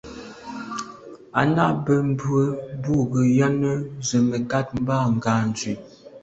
À’ nâ’ bə́ mbrə̀ bú gə ́yɑ́nə́ zə̀ mə̀kát mbâ ngɑ̀ zwí.